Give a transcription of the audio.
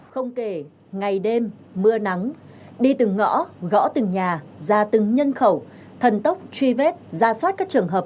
không kể ngày đêm mưa nắng đi từng ngõ gõ từng nhà ra từng nhân khẩu thần tốc truy vết ra soát các trường hợp